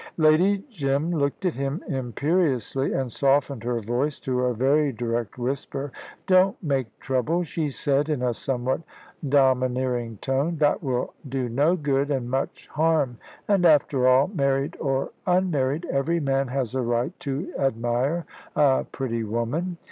Lady Jim looked at him imperiously, and softened her voice to a very direct whisper. "Don't make trouble," she said, in a somewhat domineering tone; "that will do no good and much harm. And after all, married or unmarried, every man has a right to admire a pretty woman."